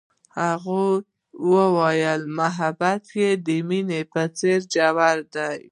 هغې وویل محبت یې د مینه په څېر ژور دی.